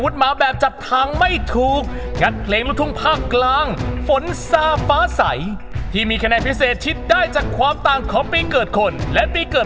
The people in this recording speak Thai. สนุกละวันนี้